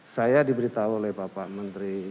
saya diberitahu oleh bapak menteri